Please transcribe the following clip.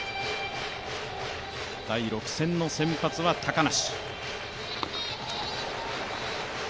第６戦の先発は高梨。